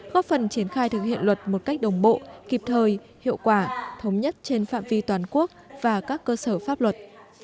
góp phần triển khai thực hiện luật một cách đồng bộ kịp thời hiệu quả thống nhất trên phạm vi toàn quốc và các cơ sở pháp luật